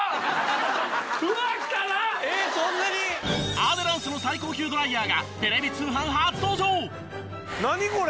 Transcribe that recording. アデランスの最高級ドライヤーがテレビ通販初登場！